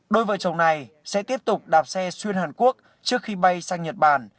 đôi vợ chồng này sẽ tiếp tục đạp xe xuyên hàn quốc trước khi bay sang nhật bản